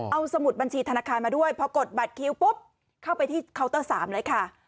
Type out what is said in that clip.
เอาสมุดบัญชีธนาคารมาด้วยพอกดบัตรคิวปุ๊บเข้าไปที่เคาน์เตอร์๓เลยค่ะ